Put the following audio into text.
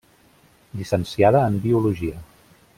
Llicenciada en biologia.